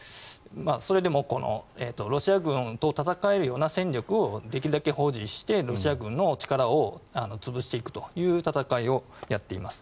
それでもロシア軍と戦えるような戦力をできるだけ保持してロシア軍の力を潰していくという戦いをやっています。